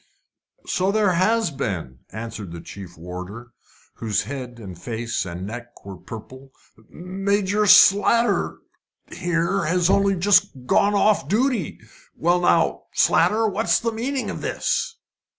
"So there has been," answered the chief warder, whose head and face and neck were purple. "Warder Slater here has only just gone off duty. Now then, Slater, what's the meaning of this?"